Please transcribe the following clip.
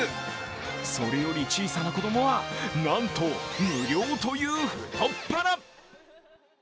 それより小さな子供はなんと無料という太っ腹。